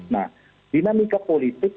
nah dinamika politik